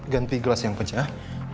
ganti gelas yang pecah